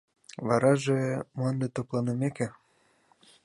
Вараже, мланде топланымеке...